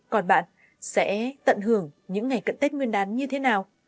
còn bạn sẽ tận hưởng những ngày cận tết nguyên đán như thế nào